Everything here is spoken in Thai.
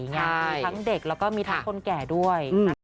ของมีทั้งเด็กและมีทั้งคนแก่ด้วย